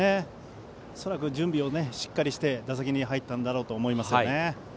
恐らく準備をしっかりして打席に入っただろうと思いますね。